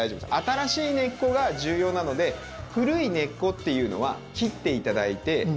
新しい根っこが重要なので古い根っこっていうのは切って頂いて大丈夫です。